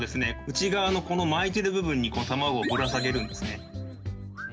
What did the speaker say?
内側のこの巻いてる部分に卵をぶら下げるんですね。